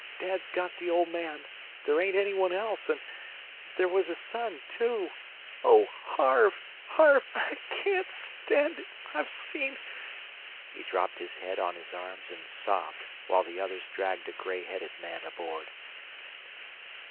Dad's got the old man. There ain't any one else, and there was his son, too. Oh, Harve, Harve, I can't stand it! I've seen " He dropped his head on his arms and sobbed while the others dragged a gray headed man aboard.